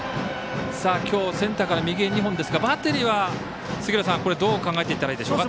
今日、センターから右に２本ですがバッテリーはどう考えていったらいいですか。